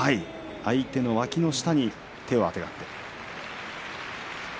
相手のわきの下に手をあてがって。